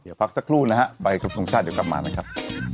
เดี๋ยวพักสักครู่นะฮะใบครบทรงชาติเดี๋ยวกลับมานะครับ